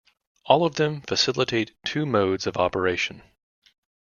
All of them facilitate two modes of operation.